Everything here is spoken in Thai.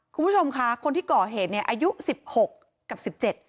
คุณผู้ชมค่ะคนที่ก่อเหตุเนี่ยอายุสิบหกกับสิบเจ็ด